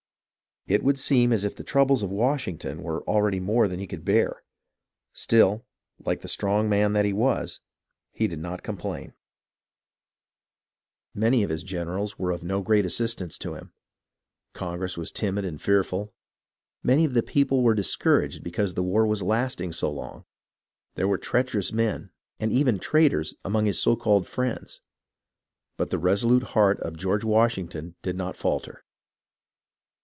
It would seem as if the troubles of Washington were already more than he could bear. Still, like the strong man that he was, he did not complain. Many of his gen 260 HISTORY OF THE AMERICAN REVOLUTION erals were of no great assistance to him ; Congress was timid and fearful ; many of the people were discouraged because the war was lasting so long ; there were treacherous men, and even traitors among his so called friends ; but the resolute heart of George Washington did not falter.